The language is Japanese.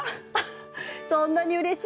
そんなにうれしい？